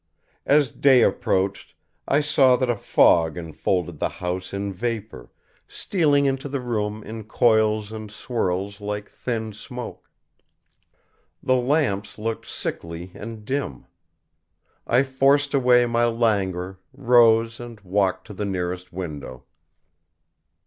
As day approached I saw that a fog enfolded the house in vapor, stealing into the room in coils and swirls like thin smoke. The lamps looked sickly and dim. I forced away my languor, rose and walked to the nearest window.